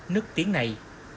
nước tiếng này